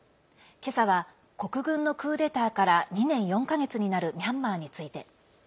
今朝は、国軍のクーデターから２年４か月になるミャンマーについて。